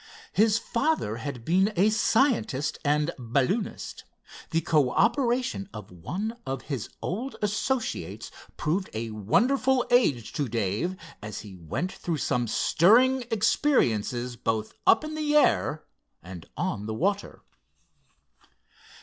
His father had been a scientist and balloonist. The cooperation of one of his old associates proved a wonderful aid to Dave, and he went through some stirring experiences both up in the air and on the water.